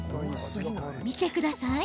見てください。